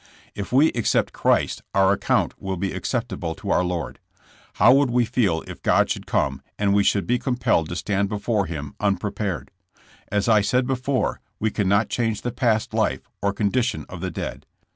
If we accept Christ our account will be acceptable to our Lord. How would we feel if God should come and we should be compelled to stand before Him unpre pared? As I said before, we cannot change the past life or condition of the dead.